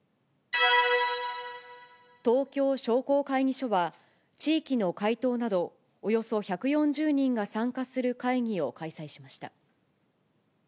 東京商工会議所は、地域の会頭などおよそ１４０人が参加する会議を開催しました。